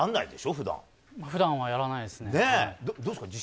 普段は、やらないですね。